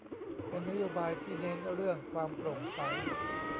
เป็นนโยบายที่เน้นเรื่องความโปร่งใส